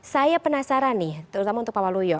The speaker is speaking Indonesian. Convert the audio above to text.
saya penasaran nih terutama untuk pak waluyo